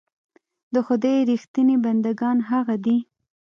د خدای رښتيني بندګان هغه دي.